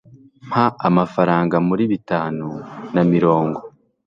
mpa amafaranga muri bitanu na mirongo